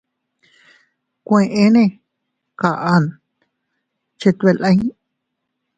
Nkueene kaʼa chet beʼe lin.